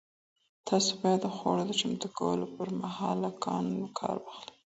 تاسو باید د خوړو د چمتو کولو پر مهال له ګاڼو کار ونه اخلئ.